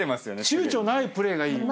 ちゅうちょないプレーがいい。